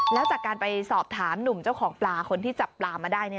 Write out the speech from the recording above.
แล้วจากการไปสอบถามหนุ่มเจ้าของปลาคนที่จับปลามาได้